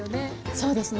そうですね。